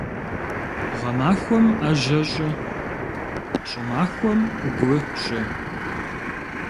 Гъэмахуэм Ӏэжьэ щӀы, щӀымахуэм гу щӀы.